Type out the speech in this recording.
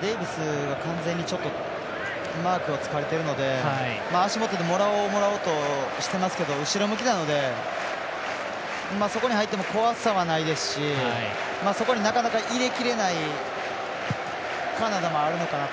デイビスが完全にマークをつかれているので足元でもらおう、もらおうとしてますけど後ろ向きなのでそこに入っても怖さはないですしそこになかなか入れきれないカナダもあるのかなと。